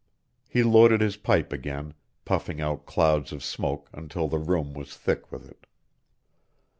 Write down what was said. He loaded his pipe again, puffing out clouds of smoke until the room was thick with it.